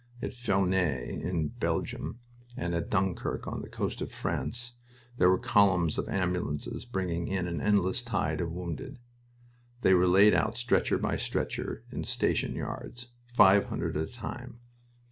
At Furnes in Belgium, and at Dunkirk on the coast of France, there were columns of ambulances bringing in an endless tide of wounded. They were laid out stretcher by stretcher in station yards, five hundred at a time.